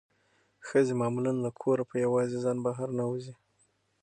ښځې معمولا له کوره په یوازې ځان بهر نه وځي.